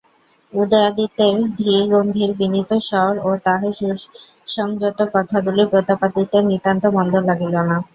উদয়াদিত্যের ধীর গম্ভীর বিনীত স্বর ও তাঁহার সুসংযত কথাগুলি প্রতাপাদিত্যের নিতান্ত মন্দ লাগিল না।